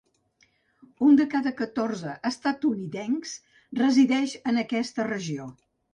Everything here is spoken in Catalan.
Un de cada catorze estatunidencs resideix en aquesta regió.